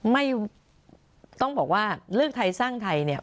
ไม่ต้องบอกว่าเลือกไทยสร้างไทยเนี่ย